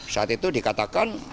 saat itu dikatakan